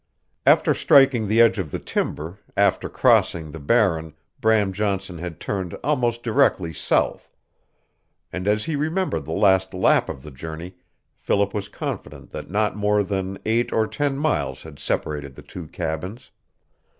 After striking the edge of the timber after crossing the Barren Bram Johnson had turned almost directly south, and as he remembered the last lap of the journey Philip was confident that not more than eight or ten miles had separated the two cabins.